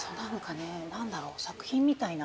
何だろう作品みたいな。